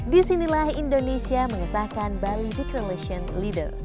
di sinilah indonesia mengesahkan balivik relations leader